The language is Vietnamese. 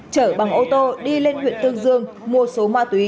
chở bằng ô tô đi lên huyện tương dương mua số ma túy